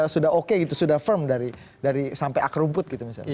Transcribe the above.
sudah oke sudah firm dari sampai akrumput